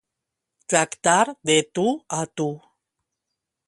Tractar de tu a tu.